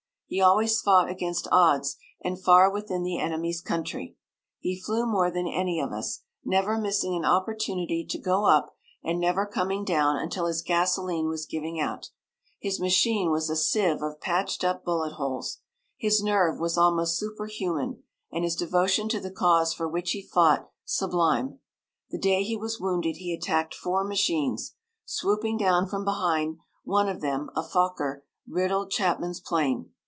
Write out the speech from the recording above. He always fought against odds and far within the enemy's country. He flew more than any of us, never missing an opportunity to go up, and never coming down until his gasolene was giving out. His machine was a sieve of patched up bullet holes. His nerve was almost superhuman and his devotion to the cause for which he fought sublime. The day he was wounded he attacked four machines. Swooping down from behind, one of them, a Fokker, riddled Chapman's plane.